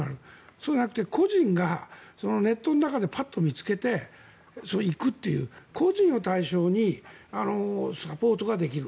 そうじゃなくて個人がネットの中でパッと見つけて行くという個人を対象にサポートができる。